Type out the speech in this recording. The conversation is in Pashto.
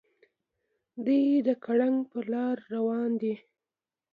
دوي د ګړنګ پر لار راروان دي.